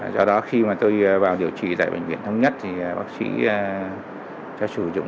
do đó khi mà tôi vào điều trị tại bệnh viện thống nhất thì bác sĩ cho sử dụng